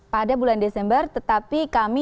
pada bulan desember tetapi kami